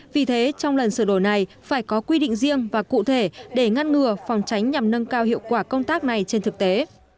vì thế trong lần sửa đổi này phải có quy định riêng và cụ thể để ngăn ngừa phòng tránh nhằm nâng cao hiệu quả công tác này trên thực tế